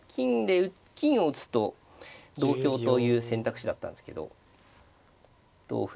金を打つと同香という選択肢だったんですけど同歩